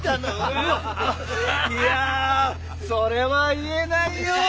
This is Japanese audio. いやそれは言えないよ。